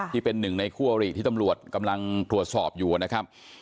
ที่เป็นหนึ่งในคู่อริที่ตำรวจกำลังตรวจสอบอยู่นะครับ